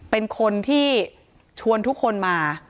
เป็นคนที่ชวนทุกคนมา